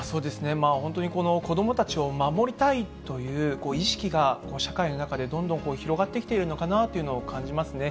本当にこの子どもたちを守りたいという意識が社会の中でどんどん広がってきているのかなというのを感じますね。